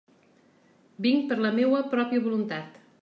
Vinc per la meua pròpia voluntat.